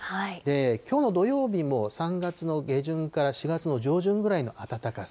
きょうの土曜日も、３月の下旬から４月の上旬ぐらいの暖かさ。